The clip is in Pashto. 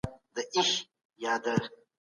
د ميني او ورورولۍ ژوند د کينې په پرتله خوندور دی.